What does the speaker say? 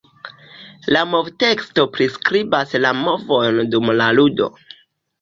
La movteksto priskribas la movojn dum la ludo.